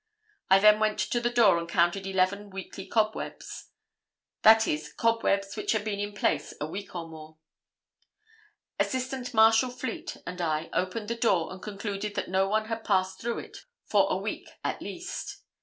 I then went to the door and counted eleven weekly cobwebs, that is cobwebs which had been in place a week or more. Assistant Marshal Fleet and I opened the door and concluded that no one had passed through it for a week at least.